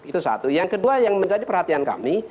itu satu yang kedua yang menjadi perhatian kami